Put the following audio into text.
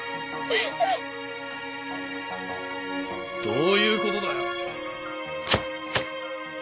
どういうことだよ！